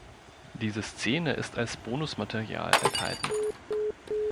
Diese Szene ist als Bonusmaterial enthalten.